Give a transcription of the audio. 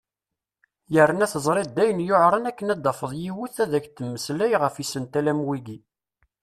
Yerna teẓriḍ d ayen yuɛren akken ad tafeḍ yiwet ad ak-d-temmeslay ɣef isental a wiyi.